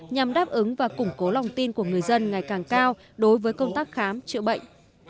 nhằm đáp ứng và củng cố lòng tin của người dân ngày càng cao đối với công tác khám chữa bệnh